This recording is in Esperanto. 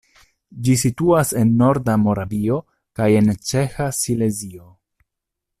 Ĝi situas en norda Moravio kaj en ĉeĥa Silezio.